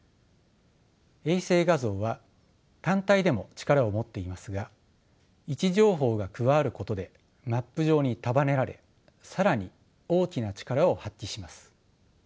衛星画像は単体でも力を持っていますが位置情報が加わることでマップ上に束ねられ更に大きな力を発揮します。